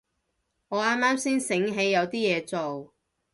我啱啱先醒起有啲嘢做